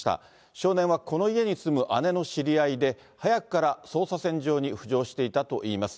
少年はこの家に住む姉の知り合いで、早くから捜査線上に浮上していたといいます。